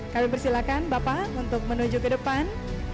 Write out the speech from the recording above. kami persilakan bapak untuk menuju ke depan